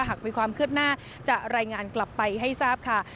หากมีความคืบหน้าจะรายงานกลับไปให้ทราบค่ะ